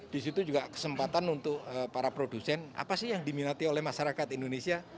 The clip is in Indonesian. di situ juga kesempatan untuk para produsen apa sih yang diminati oleh masyarakat indonesia